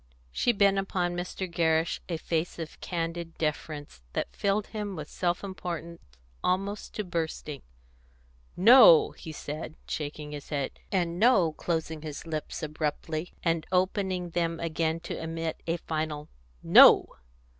She bent upon Mr. Gerrish a face of candid deference that filled him with self importance almost to bursting. "No!" he said, shaking his head, and "No!" closing his lips abruptly, and opening them again to emit a final "No!"